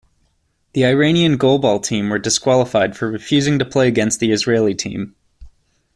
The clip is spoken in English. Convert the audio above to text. The Iranian goalball team were disqualified for refusing to play against the Israeli team.